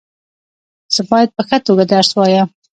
زه باید په ښه توګه درس وایم.